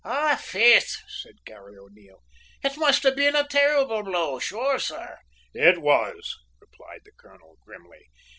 "Aye, faith," said Garry O'Neil. "It must have been a terrible blow, sure, sor!" "It was," replied the colonel grimly.